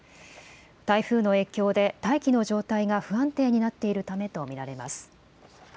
台風の影響で大気の状態が不安定になっているためと見られます。